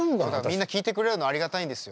みんな聴いてくれるのありがたいんですよ。